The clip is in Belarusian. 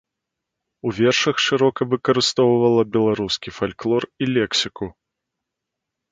У вершах шырока выкарыстоўвала беларускі фальклор і лексіку.